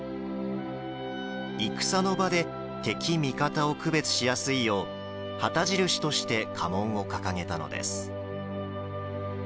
いくさの場で敵味方を区別しやすいよう旗印として家紋を掲げたのです。